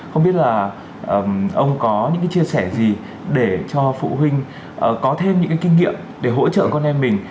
không biết là ông có những chia sẻ gì để cho phụ huynh có thêm những cái kinh nghiệm để hỗ trợ con em mình